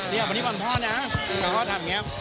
นี่วันนี้วันพ่อนี้พ่อถามอย่างนี้